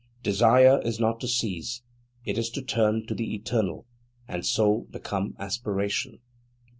Desire is not to cease; it is to turn to the Eternal, and so become aspiration.